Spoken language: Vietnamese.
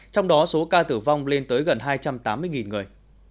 trong đó số ca tử vong lên tới gần hai trăm tám mươi người